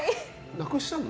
なくしたの？